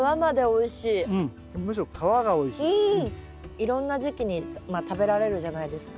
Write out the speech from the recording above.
いろんな時期に食べられるじゃないですか。